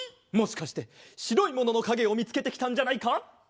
もしかしてしろいもののかげをみつけてきたんじゃないか？